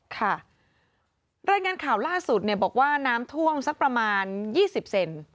ค่ะรายงานข่าวล่าสุดเนี่ยบอกว่าน้ำท่วมสักประมาณ๒๐เซน